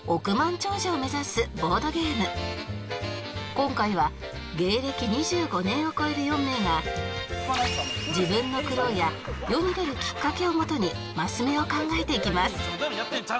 今回は芸歴２５年を超える４名が自分の苦労や世に出るきっかけをもとにマス目を考えていきます